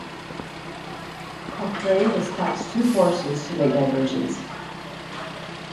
Cochrane dispatched two forces to make diversions.